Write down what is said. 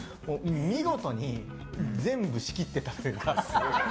見事に全部仕切ってたというか。